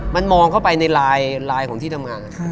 มันมองเข้าไปในไลน์ของที่ทำงาน